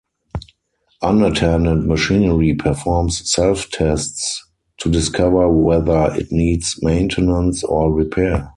Unattended machinery performs self-tests to discover whether it needs maintenance or repair.